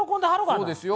そうですよ。